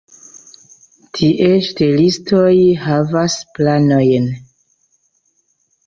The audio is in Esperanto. Tie ŝtelistoj havas planojn.